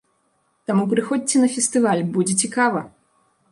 Таму прыходзьце на фестываль, будзе цікава!